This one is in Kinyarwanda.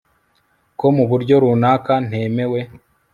ko mu buryo runaka ntemewe